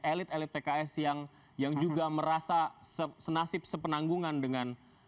elit elit pks yang juga merasa senasib sepenanggungan dengan